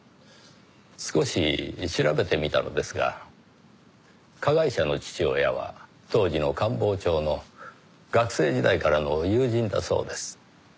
少し調べてみたのですが加害者の父親は当時の官房長の学生時代からの友人だそうです。